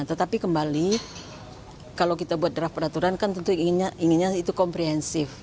tetapi kembali kalau kita buat draft peraturan kan tentu inginnya itu komprehensif